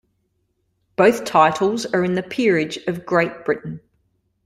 Both titles are in the Peerage of Great Britain.